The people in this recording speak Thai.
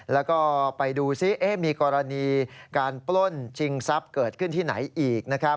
แล้วก็ไปดูซิมีกรณีการปล้นชิงทรัพย์เกิดขึ้นที่ไหนอีกนะครับ